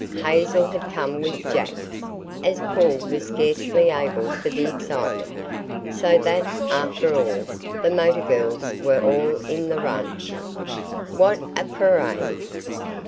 Hazel had come with Jack, as Paul was scarcely able for the excitement, so that, after all, the motor girls were all in the run. What a parade!